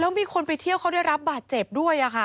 มีคนไปเที่ยวเขาได้รับบาดเจ็บด้วยค่ะ